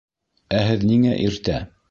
Ә һеҙ ниңә иртә?